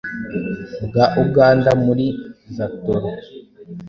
bwa Uganda muri zatooro